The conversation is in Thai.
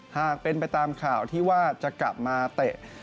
หากเป็นไปตามข่าวที่ว่าจะกลับมาเตะ